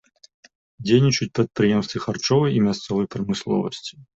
Дзейнічаюць прадпрыемствы харчовай і мясцовай прамысловасці.